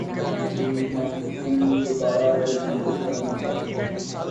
جم Yong Kim دوبارہ World Bank کے صدر منتخب